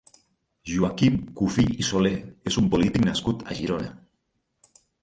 Joaquim Cufí i Solé és un polític nascut a Girona.